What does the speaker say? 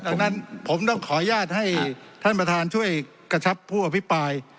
ดังนั้นผมต้องขออนุญาตให้ท่านประธานช่วยกระชับผู้อภิปราย